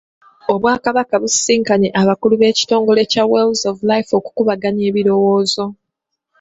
Obwakabaka busisinkanye abakulu b'ekitongole kya Wells of Life okukubaganya ebirowoozo.